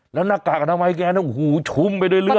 แล้วหน้ากากกันทำไมแกโอ้โหชุ่มไปด้วยเลือด